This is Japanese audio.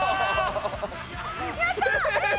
やったー！